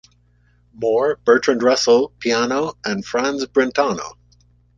Moore, Bertrand Russell, Peano, and Franz Brentano.